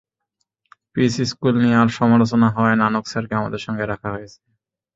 Piece School নিয়ে সমালোচনা হওয়ায় নানক স্যারকে আমাদের সঙ্গে রাখা হয়েছে।